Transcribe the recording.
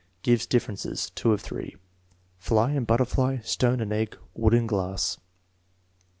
Gives differences. (2 of 3.) Fly and butterfly; stone and egg; wood and glass.